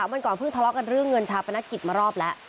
วันก่อนเพิ่งทะเลาะกันเรื่องเงินชาปนกิจมารอบแล้ว